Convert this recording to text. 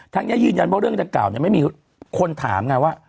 ทั้งนี้ยืนยันว่าเรื่องจากเก่าเนี่ยไม่มีคนถามไงว่า